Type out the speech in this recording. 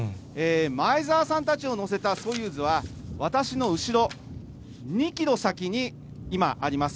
前澤さんたちを乗せたソユーズは、私の後ろ、２キロ先に今あります。